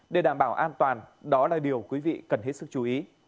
để đảm bảo an toàn đó là điều quý vị cần hết sức chú ý